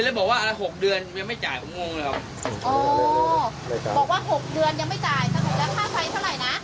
ได้บอกว่า๖เดือนยังไม่จ่ายกางโมงนะครับ